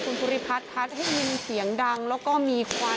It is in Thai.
คุณภูริพัฒน์พัดให้ยินเสียงดังแล้วก็มีควัน